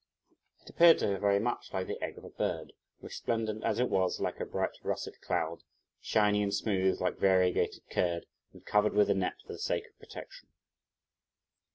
It appeared to her very much like the egg of a bird, resplendent as it was like a bright russet cloud; shiny and smooth like variegated curd and covered with a net for the sake of protection.